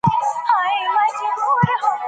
ادبي څېړنه د پوهې یوه مهمه لاره ده.